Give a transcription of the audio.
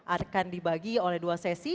akan dibagi oleh dua sesi